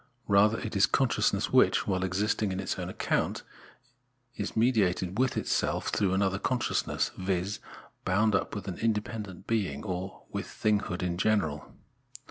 Rather, it is consciousness which, while existing on its own account, is mediated with itself through an other consciousness, viz. bound up with an independent being or with thinghood in general.